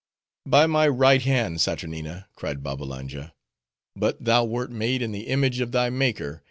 "By my right hand, Saturnina," cried Babbalanja, "but thou wert made in the image of thy Maker!